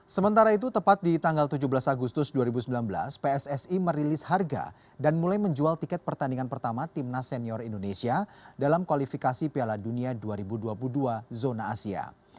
sementara itu tepat di tanggal tujuh belas agustus dua ribu sembilan belas pssi merilis harga dan mulai menjual tiket pertandingan pertama timnas senior indonesia dalam kualifikasi piala dunia dua ribu dua puluh dua zona asia